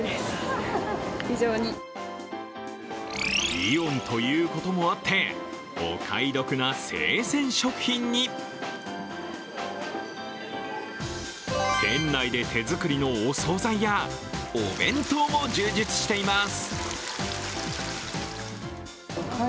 イオンということもあって、お買い得な生鮮食品に、店内で手作りのお総菜やお弁当も充実しています。